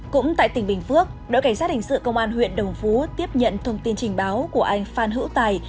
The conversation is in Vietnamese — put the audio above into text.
cũng tại tỉnh bình phước đội cảnh sát hình sự công an huyện đồng phú tiếp nhận thông tin trình báo của anh phan hữu tài